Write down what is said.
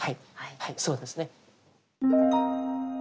はいそうですね。